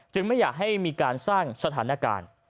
ไม่อยากให้มีการสร้างสถานการณ์